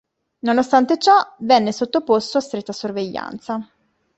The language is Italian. Nonostante ciò venne sottoposto a stretta sorveglianza.